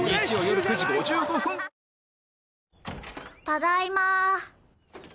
ただいま。